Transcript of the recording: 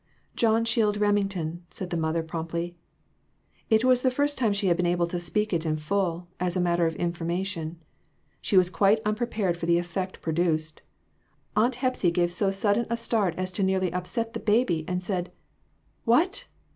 "John Shield Remington," said the mother, promptly ; it was the first time she had been able to speak it in full, as a matter of information. She was quite unprepared for the effect produced. Aunt Hepsy gave so sudden a start as to nearly upset the baby, and said, "What!"